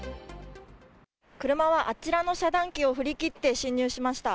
車はあちらの遮断機を振り切って進入しました。